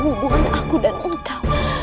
hubungan aku dan engkau